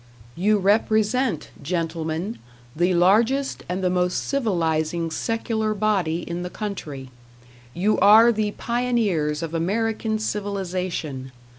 "You represent, gentlemen, the largest and the most civilizing secular body in the country. You are the pioneers of American civilization....